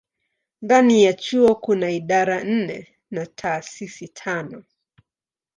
Ndani ya chuo kuna idara nne na taasisi tano.